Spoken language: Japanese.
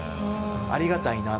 ありがたいなって。